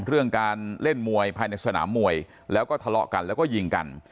เรื่องการเล่นมวยภายในสนามมวยแล้วก็ทะเลาะกันแล้วก็ยิงกัน